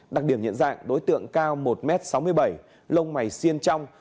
đặc điểm nhận dạng đối tượng cao một m sáu mươi bảy lông mày siên trong